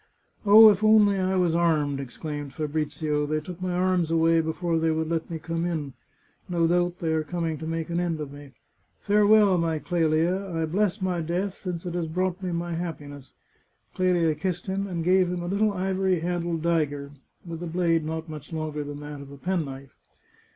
" Oh, if only I was armed !" exclaimed Fabrizio. " They took my arms away before they would let me come in. No doubt they are coming to make an end of me. Farewell, my Clelia! I bless my death, since it has brought me my happiness !" Clelia kissed him, and gave him a little ivory handled dagger, with a blade not much longer than that of a penknife.